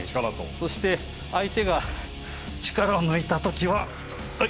そして相手が力を抜いた時は。